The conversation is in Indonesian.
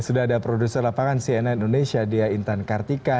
sudah ada produser lapangan cnn indonesia dea intan kartika